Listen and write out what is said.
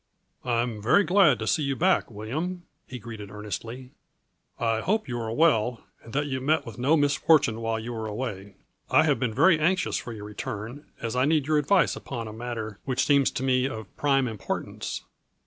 "I'm very glad to see you back, William," he greeted earnestly. "I hope you are well, and that you met with no misfortune while you were away. I have been very anxious for your return, as I need your advice upon a matter which seems to me of prime importance.